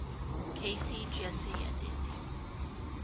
Casey, Jesse, and Indi.